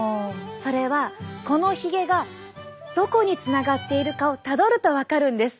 それはこのヒゲがどこにつながっているかをたどると分かるんです。